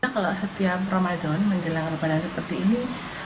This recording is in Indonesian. kalau setiap ramadan menjelang ramadan seperti ini